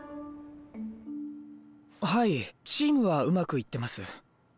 はいチームはうまくいってます。